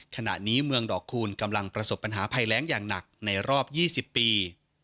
ขณะนี้เมืองดอกคูณกำลังประสบปัญหาภัยแรงอย่างหนักในรอบ๒๐ปี